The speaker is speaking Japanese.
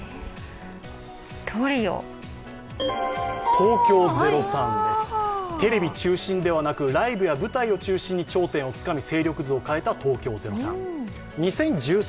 東京０３です、テレビ中心ではなくライブや舞台を中心に頂点をつかみ勢力図を変えた東京０３。